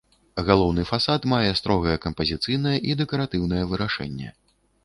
Галоўны фасад мае строгае кампазіцыйнае і дэкаратыўнае вырашэнне.